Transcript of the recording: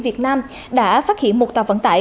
việt nam đã phát hiện một tàu vận tải